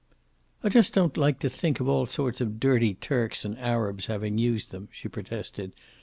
"I just don't like to think of all sorts of dirty Turks and Arabs having used them," she protested.